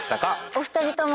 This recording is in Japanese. お二人とも。